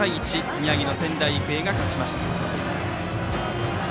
宮城の仙台育英が勝ちました。